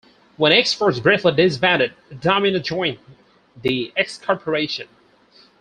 When X-Force briefly disbanded, Domino joined the X-Corporation.